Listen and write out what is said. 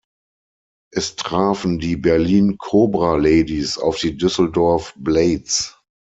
Es trafen die Berlin Kobra Ladies auf die Düsseldorf Blades.